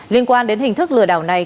liên quan đến hình thức lừa đảo này